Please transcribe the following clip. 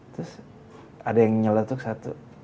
terus ada yang nyeletuk satu